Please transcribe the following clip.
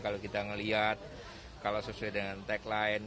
kalau kita melihat kalau sesuai dengan tagline